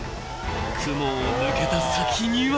［雲を抜けた先には］